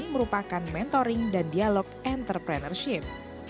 merupakan mentoring dan dialog entrepreneurship